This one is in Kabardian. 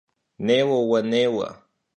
Неуэ уэ, неуэ.